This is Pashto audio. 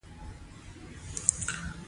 زه له خپلي کورنۍ سره په انځوریزه بڼه غږیږم.